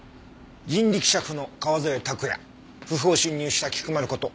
人力車夫の川添卓弥不法侵入した菊丸こと